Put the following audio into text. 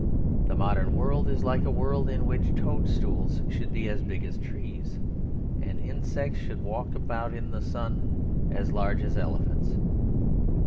The modern world is like a world in which toadstools should be as big as trees, and insects should walk about in the sun as large as elephants.